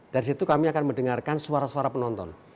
dari situ kami akan mendengarkan suara suara penonton